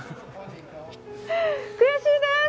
悔しいです！